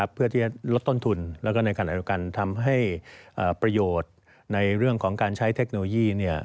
เพื่อที่จะลดต้นทุนแล้วก็ในขณะเดียวกันทำให้ประโยชน์ในเรื่องของการใช้เทคโนโลยี